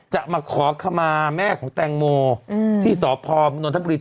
จะมาขอคำมาแม่ของแตงโมที่สพนทักฤษ